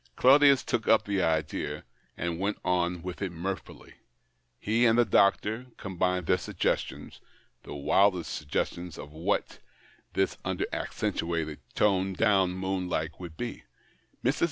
Claudius took up the idea, and went on with it mirthfully. He and the doctor com bined their suggestions — the wildest sugges tions — of what this under accentuated, toned THE OCTAVE OF CLAUDIUS. 69 down moon life would be like. Mrs.